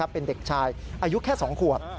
เป็นเด็กชายอายุแค่๒ขวบ